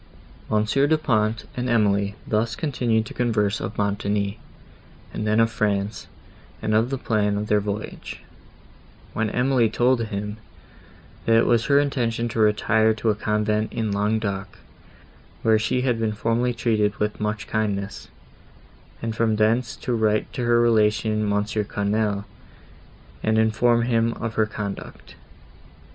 Monsieur Du Pont and Emily thus continued to converse of Montoni, and then of France, and of the plan of their voyage; when Emily told him, that it was her intention to retire to a convent in Languedoc, where she had been formerly treated with much kindness, and from thence to write to her relation Monsieur Quesnel, and inform him of her conduct.